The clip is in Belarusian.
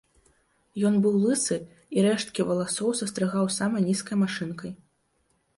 Ён быў лысы, і рэшткі валасоў састрыгаў самай нізкай машынкай.